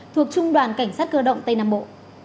thuộc trung đoàn cảnh sát cơ động tây nam bộ